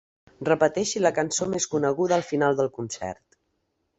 Repeteixi la cançó més coneguda al final del concert.